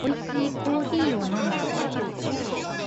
おいしいコーヒーを飲んだ